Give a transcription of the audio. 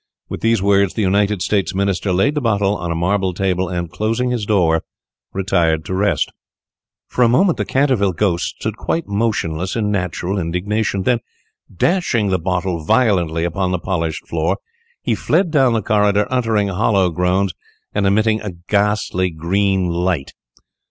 With these words the United States Minister laid the bottle down on a marble table, and, closing his door, retired to rest. [Illustration: "I REALLY MUST INSIST ON YOUR OILING THOSE CHAINS"] For a moment the Canterville ghost stood quite motionless in natural indignation; then, dashing the bottle violently upon the polished floor, he fled down the corridor, uttering hollow groans, and emitting a ghastly green light.